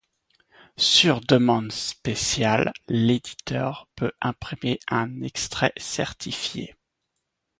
Sur demande spéciale, l'éditeur peut imprimer un extrait certifié.